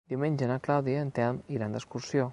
Diumenge na Clàudia i en Telm iran d'excursió.